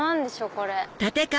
これ。